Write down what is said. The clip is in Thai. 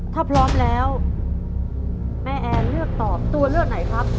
ถ้าพร้อมแล้วแม่แอนเลือกตอบตัวเลือกไหนครับ